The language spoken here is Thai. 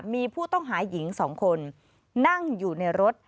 มีผู้ต้องหาหญิง๒คนนั่งอยู่ในรถ